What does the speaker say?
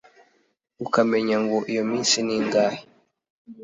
ukamenya ngo iyo minsi ni ingahe.